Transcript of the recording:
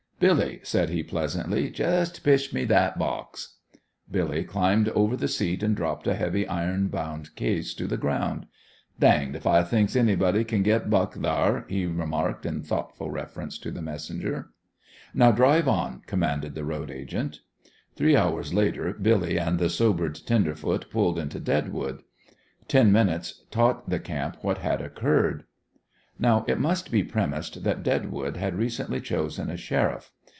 "Billy," said he, pleasantly, "jest pitch me that box." Billy climbed over the seat and dropped a heavy, iron bound case to the ground. "Danged if I thinks anybody kin git Buck, thar," he remarked, in thoughtful reference to the messenger. "Now, drive on," commanded the road agent. Three hours later Billy and the sobered tenderfoot pulled into Deadwood. Ten minutes taught the camp what had occurred. Now, it must be premised that Deadwood had recently chosen a sheriff.